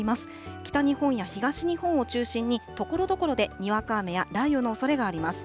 北日本や東日本を中心に、ところどころでにわか雨や雷雨のおそれがあります。